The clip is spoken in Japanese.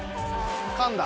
「かん」だ。